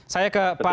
saya ke pak